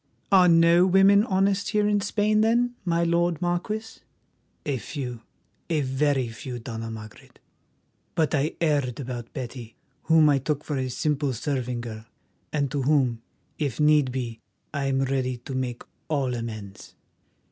"Are no women honest here in Spain, then, my lord Marquis?" "A few, a very few, Dona Margaret. But I erred about Betty, whom I took for a simple serving girl, and to whom, if need be, I am ready to make all amends."